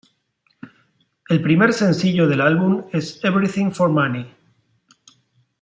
El primer sencillo del álbum es "Everything For Money".